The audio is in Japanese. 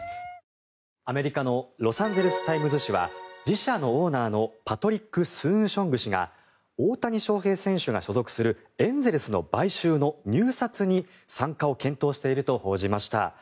アメリカのロサンゼルス・タイムズ紙は自社のオーナーのパトリック・スーンショング氏が大谷翔平選手が所属するエンゼルスの買収の入札に参加を検討していると報じました。